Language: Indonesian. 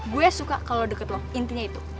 gue suka kalau lo deket lo intinya itu